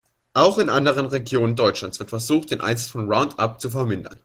Auch in anderen Regionen Deutschlands wird versucht, den Einsatz von Roundup zu vermindern.